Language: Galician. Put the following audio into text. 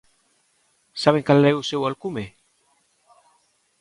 Saben cal é o seu alcume?